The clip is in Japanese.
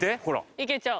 行けちゃう。